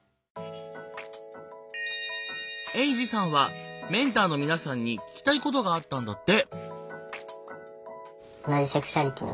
エイジさんはメンターの皆さんに聞きたいことがあったんだって。